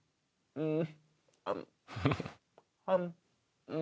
うん？